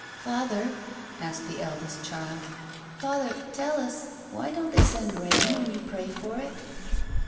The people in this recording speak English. "Father," asked the eldest child, "Father, tell us; why don't they send rain when you pray for it?"